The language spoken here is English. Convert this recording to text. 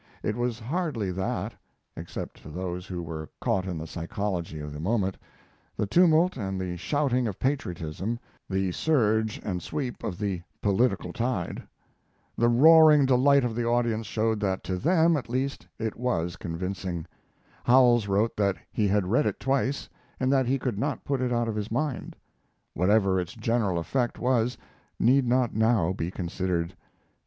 It was hardly that, except to those who were caught in the psychology of the moment, the tumult and the shouting of patriotism, the surge and sweep of the political tide. The roaring delight of the audience showed that to them at least it was convincing. Howells wrote that he had read it twice, and that he could not put it out of his mind. Whatever its general effect was need not now be considered.